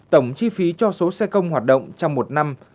tổng chi phí cho số xe công hoạt động trong một năm